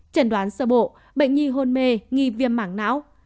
trần đoán sơ bộ bệnh nhi hôn mê nghi viêm mảng não